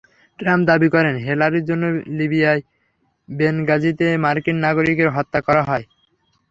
Trump দাবি করেন, হিলারির জন্য লিবিয়ার বেনগাজিতে মার্কিন নাগরিকদের হত্যা করা হয়।